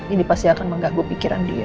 ini pasti akan mengganggu pikiran dia